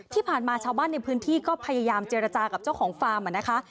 ที่ผ่านมาชาวบ้านในพื้นที่ก็พยายามเจรจากับเจ้าของฟาร์มนะคะ